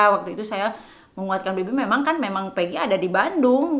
waktu itu saya menguatkan bibi memang kan memang pg ada di bandung